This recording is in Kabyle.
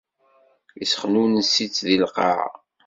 Issexnunes-itt di lqaεa.